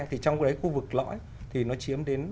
trong cái khu vực lõi thì nó chiếm đến